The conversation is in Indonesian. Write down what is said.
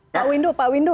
pak windu pak windu